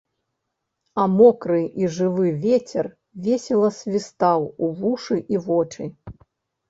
А мокры і жывы вецер весела свістаў у вушы і вочы.